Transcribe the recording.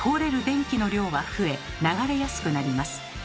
電気の量は増え流れやすくなります。